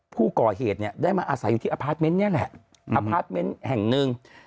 ผู้ก่อเหตุเนี่ยได้มาอาศัยอยู่ที่เนี่ยแหละแห่งหนึ่ง